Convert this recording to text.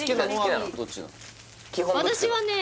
私はね